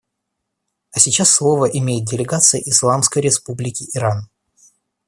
А сейчас слово имеет делегация Исламской Республики Иран.